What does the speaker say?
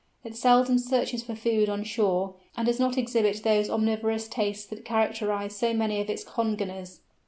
It seldom searches for food on shore, and does not exhibit those omnivorous tastes that characterise so many of its congeners.